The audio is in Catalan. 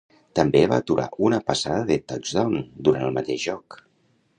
També va aturar una passada de touchdown durant el mateix joc.